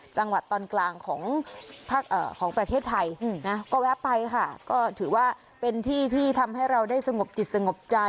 จังหวัดตอนกลางของของประเทศไทยนะ